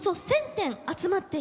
１，０００点！